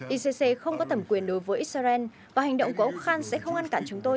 icc không có thẩm quyền đối với israel và hành động của ông khan sẽ không ngăn cản chúng tôi